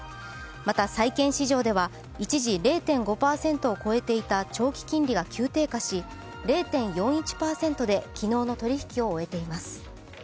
また債券市場では一時０．５％を超えていた長期金利が急低下し０．４１％で昨日の取引を終えています。